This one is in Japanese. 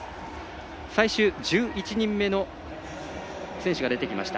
最終１１人目の選手が出てきました。